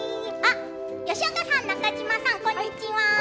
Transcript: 吉岡さん、中島さんこんにちは。